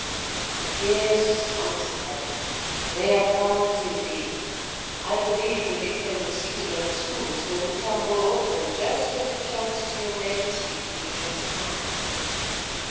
"Yes," answered Hadden, "they are cowards indeed. I believe that if they were seated on stools they would tumble off them just as it chanced to your Majesty to do just now."